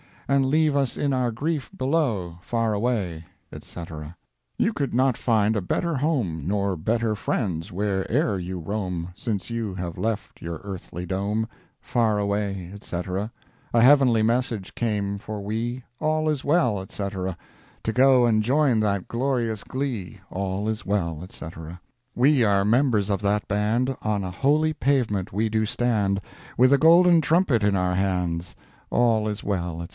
And leave us in our grief below, Far way, &c. You could not find a better home, Nor better friends where e'er you roam, Since you have left your earthly dome, Far way, &c. A heavenly message came for we, All is well, &c. To go and join that glorious glee, All is well, &c. We are members of that band, On a holy pavement we do stand, With a golden trumpet in our hands, All is well, &c.